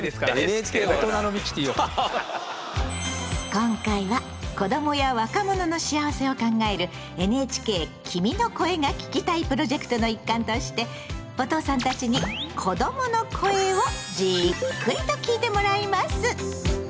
今回は子どもや若者の幸せを考えるＮＨＫ「君の声が聴きたい」プロジェクトの一環としてお父さんたちに子どもの声をじっくりと聴いてもらいます。